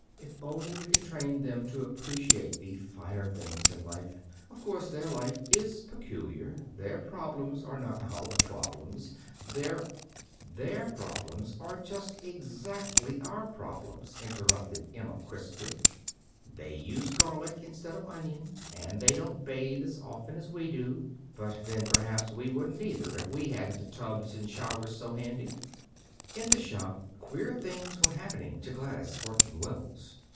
If only we can train them to appreciate the finer things in life. Of course, their life is peculiar. Their problems are not our problems; their " "Their problems are just exactly our problems," interrupted Emma crisply. "They use garlic instead of onion, and they don't bathe as often as we do; but, then, perhaps we wouldn't either, if we hadn't tubs and showers so handy." In the shop, queer things were happening to Gladys Orton Wells.